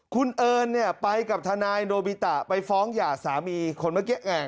คุณเอิญเนี่ยไปกับทนายโนบิตะไปฟ้องหย่าสามีคนเมื่อกี้ไง